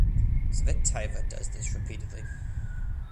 Tsvetaeva does this repeatedly.